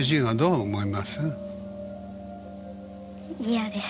嫌です。